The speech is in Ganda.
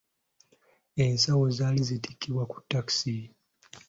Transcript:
Ensawo zaali zitikkibwa ku takisi.